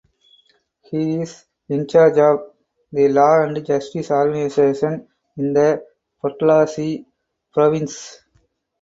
He is in charge of the Law and Justice organization in the Podlasie province.